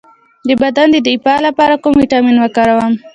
د بدن د دفاع لپاره کوم ویټامین وکاروم؟